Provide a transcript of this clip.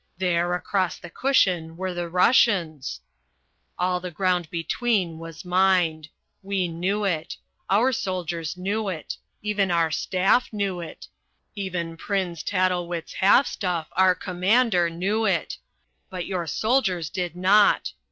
There, across the cushion, were the Russians. All the ground between was mined. We knew it. Our soldiers knew it. Even our staff knew it. Even Prinz Tattelwitz Halfstuff, our commander, knew it. But your soldiers did not.